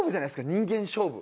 人間勝負。